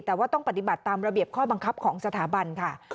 แต่ว่าต้องปฏิบัติตามระเบียบข้อบังคับของสถาบันค่ะ